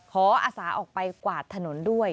อาสาออกไปกวาดถนนด้วย